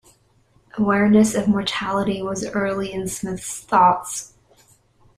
Awareness of mortality was early in Smith's thoughts.